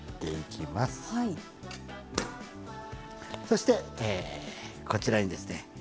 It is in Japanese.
そしてこちらにですね